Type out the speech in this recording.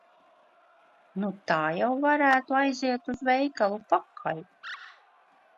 Nu tā jau varētu aiziet uz veikalu pakaļ.